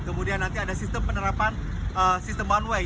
kemudian nanti ada sistem penerapan sistem one way